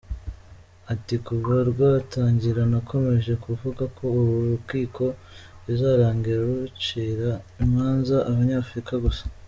Ati “Kuva rwatangira nakomeje kuvuga ko uru rukiko bizarangira rucira imanza Abanyafurika gusa.